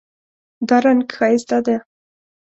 دا رنګ ښایسته ده